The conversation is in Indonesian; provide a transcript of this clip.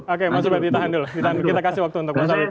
oke mas habib ditahan dulu kita kasih waktu untuk mas habib